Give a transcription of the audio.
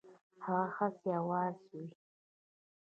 هغه هسي آوازې وي.